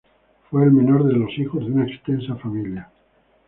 Fue el menor de los hijos de una extensa familia.